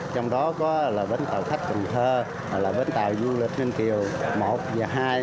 trong đó có bến tàu khách cần thơ bến tàu du lịch ninh kiều một và hai